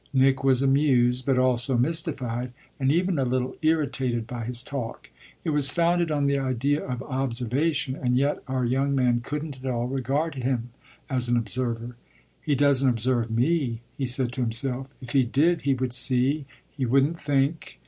Nick was amused, but also mystified and even a little irritated, by his talk: it was founded on the idea of observation and yet our young man couldn't at all regard him as an observer. "He doesn't observe me," he said to himself; "if he did he would see, he wouldn't think